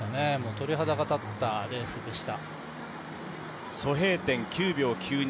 鳥肌が立ったレースでした。